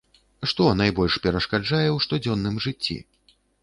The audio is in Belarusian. Што найбольш перашкаджае ў штодзённым жыцці?